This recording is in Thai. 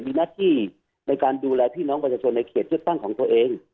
มีหน้าที่ในการดูแลพี่น้องประชาชนในเขตเลือกตั้งของตัวเอง